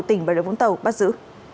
tỉnh bà rồi vũng tàu bắt giữ